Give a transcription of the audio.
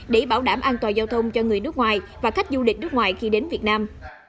để bảo đảm an toàn giao thông cho người nước ngoài và khách du lịch nước ngoài khi đến việt nam